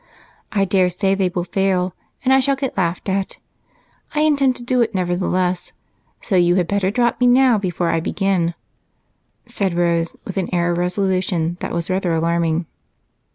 I daresay they will fail and I shall get laughed at. I intend to do it nevertheless, so you had better drop me now before I begin," said Rose with an air of resolution that was rather alarming.